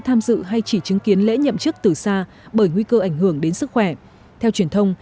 tham dự hay chỉ chứng kiến lễ nhậm chức từ xa bởi nguy cơ ảnh hưởng đến sức khỏe theo truyền thông